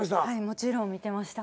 もちろん見てました。